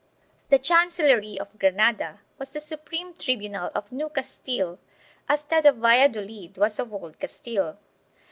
The chancellery of Granada was the supreme tribunal of New Castile as that of Valladolid was of Old Castile.